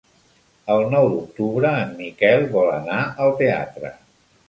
El nou d'octubre en Miquel vol anar al teatre.